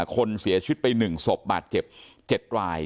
คนเสียชิดไปหนึ่งสบบาดเจ็บ๗ราย